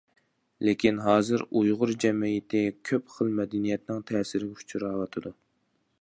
لېكىن، ھازىر ئۇيغۇر جەمئىيىتى كۆپ خىل مەدەنىيەتنىڭ تەسىرىگە ئۇچراۋاتىدۇ.